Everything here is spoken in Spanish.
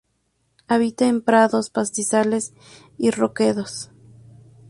Habita en prados, pastizales y roquedos.